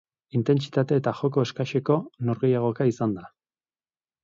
Intentsitate eta joko eskaseko norgehiagoka izan da.